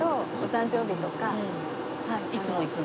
いつも行くの？